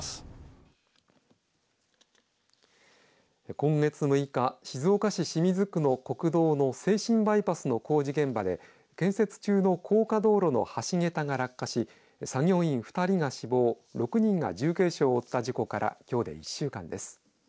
今月６日、静岡市清水区の国道の静清バイパスの工事現場で建設中の高架道路の橋桁が落下し作業員２人が死亡６人が重軽傷を負った事故からきょうで１週間です。